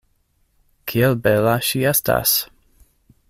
Kiel bela ŝi estas!